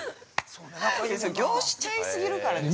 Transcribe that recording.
◆それ、業種ちゃい過ぎるからですよ。